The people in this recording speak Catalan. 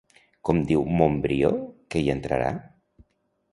Com diu Montbrió que hi entrarà?